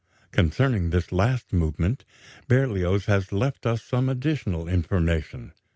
Concerning this last movement, Berlioz has left us some additional information.